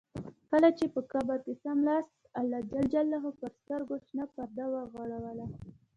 کله چې په قبر کې څملاست خدای جل جلاله پر سترګو شنه پرده وغوړوله.